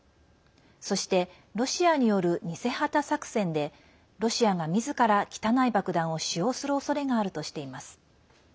そして、ロシアによる偽旗作戦でロシアがみずから汚い爆弾を使用するおそれがあるとしています。